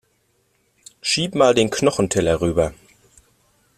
Schieb mal den Knochenteller rüber.